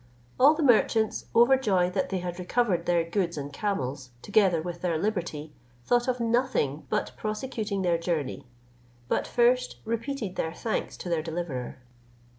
All the merchants, overjoyed that they had recovered their goods and camels, together with their liberty, thought of nothing but prosecuting their journey; but first repeated their thanks to their deliverer.